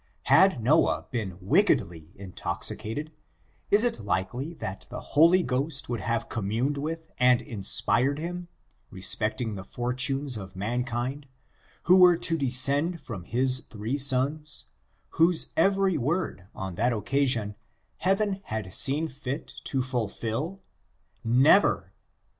Had Noah been wickedly intoxicated, is it likely that the Holy Ghost would have communed with and inspired him, respecting the fortunes of mankind, who were to descend from his three sons, whose every word, on that occasion, Heaven had seen fit to fulfill? Never.